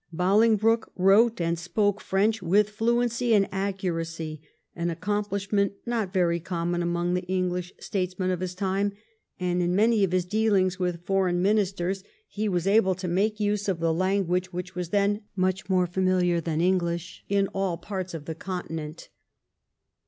Bolingbroke wrote and spoke French with fluency and accuracy, an accomplishment not very common among the EngHsh statesmen of his time, and in many of his dealings with foreign Ministers he was able to VOL. II. F 66 THE REIGN OF QUEEN ANNE. ch. xxiv. make use of the language which was then much more familiar than English in all parts of the Continent.